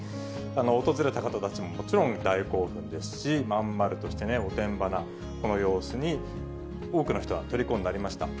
訪れた方たちももちろん大興奮ですし、まんまるとして、おてんばなこの様子に多くの人がとりこになりました。